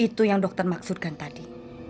itu yang dokter maksudkan tadi